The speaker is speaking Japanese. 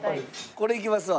これいきますわ。